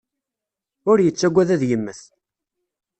Ur yettagad ad yemmet.